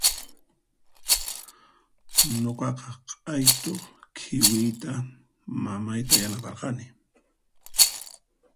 Nuqaqa q'aytu khiwiyta mamayta yanaparqani.